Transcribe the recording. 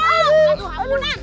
aduh aku takut nan